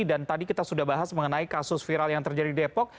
dan tadi kita sudah bahas mengenai kasus viral yang terjadi di depok